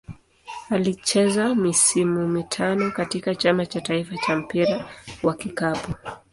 Alicheza misimu mitano katika Chama cha taifa cha mpira wa kikapu.